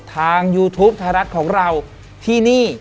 ยูทูปไทยรัฐของเราที่นี่